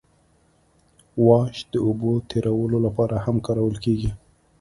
واش د اوبو تیرولو لپاره هم کارول کیږي